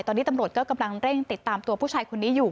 ตอนนี้ตำรวจก็กำลังเร่งติดตามตัวผู้ชายคนนี้อยู่